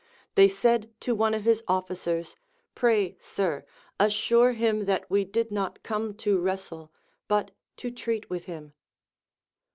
They said to one of his officers. Pray, sir, assure him that we did not come to Avrcstle but to treat with him.